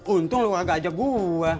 untung lo gak ajak gue